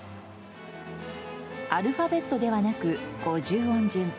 アルファベットではなく五十音順。